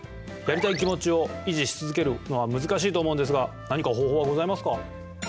やりたい気持ちを維持し続けるのは難しいと思うんですが何か方法はございますか？